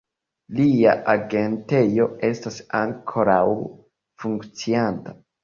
Lia agentejo estas ankoraŭ funkcianta.